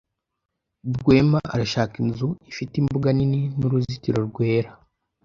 Rwema arashaka inzu ifite imbuga nini n'uruzitiro rwera.